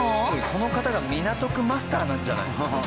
この方が港区マスターなんじゃない？